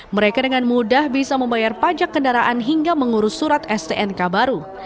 mereka dengan mudah bisa membayar pajak kendaraan hingga mengurus surat stnk baru